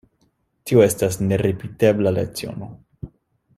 Tio estas neripetebla leciono.